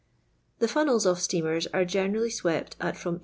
. The funnels of steamers are generally swept at from 8(2.